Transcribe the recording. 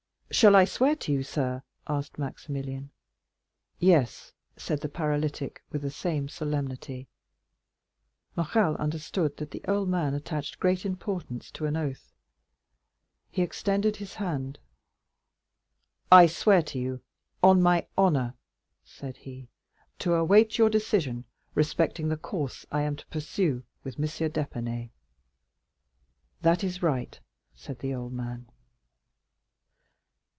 "Shall I swear to you, sir?" asked Maximilian. "Yes," said the paralytic with the same solemnity. Morrel understood that the old man attached great importance to an oath. He extended his hand. "I swear to you, on my honor," said he, "to await your decision respecting the course I am to pursue with M. d'Épinay." "That is right," said the old man.